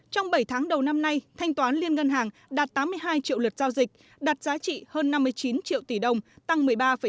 trong bảy tháng đầu năm nay thanh toán liên ngân hàng đạt tám mươi hai triệu lượt giao dịch đạt giá trị hơn năm mươi chín triệu tỷ đồng tăng một mươi ba bảy